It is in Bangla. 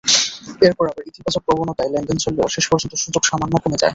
এরপর আবার ইতিবাচক প্রবণতায় লেনদেন চললেও শেষ পর্যন্ত সূচক সামান্য কমে যায়।